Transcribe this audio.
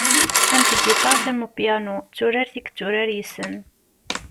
Am tgiṭart am upyanu, d turart i yetturar yes-sen.